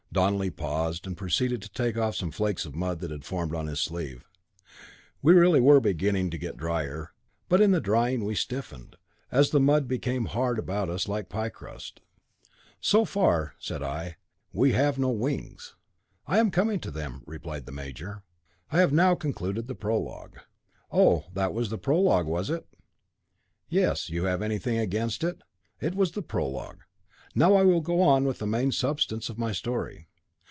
'" Donelly paused, and proceeded to take off some flakes of mud that had formed on his sleeve. We really were beginning to get drier, but in drying we stiffened, as the mud became hard about us like pie crust. "So far," said I, "we have had no wings." "I am coming to them," replied the major; "I have now concluded the prologue." "Oh! that was the prologue, was it?" "Yes. Have you anything against it? It was the prologue. Now I will go on with the main substance of my story.